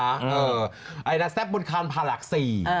เออไอรัสแท็บบนคารพารักษี